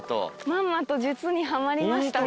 まんまと術にはまりましたね。